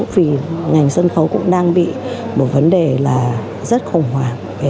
vì ngành sân khấu cũng đang bị một vấn đề là rất khủng hoảng